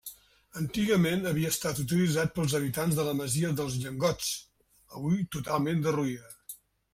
Antigament havia estat utilitzat pels habitants de la masia dels Llengots, avui totalment derruïda.